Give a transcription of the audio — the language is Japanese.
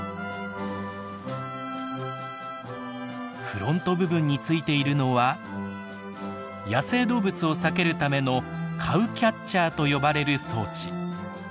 フロント部分についているのは野生動物を避けるためのカウキャッチャーと呼ばれる装置。